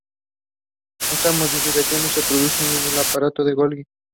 Estas modificaciones se producen en el aparato de Golgi.